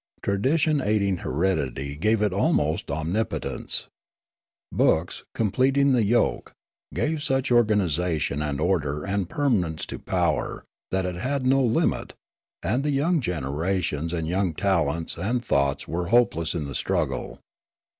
Tra dition aiding heredity gave it almost omnipotence. Books, completing the yoke, gave such organisation and order and permanence to the power that it had no limit, and the young generations and young talents and thoughts were hopeless in the struggle.